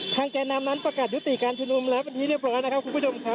แก่นำนั้นประกาศยุติการชุมนุมแล้วเป็นที่เรียบร้อยนะครับคุณผู้ชมครับ